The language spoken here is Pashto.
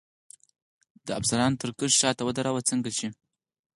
د افسرانو تر کرښې شاته ودراوه، څنګه چې.